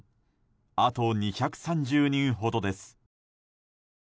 あと２３０人ほどです。